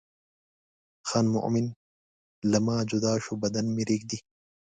خان مومن له ما جدا شو بدن مې رېږدي.